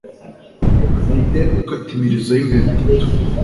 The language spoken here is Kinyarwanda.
Ninde Ukata Imirizo Yimbeba itatu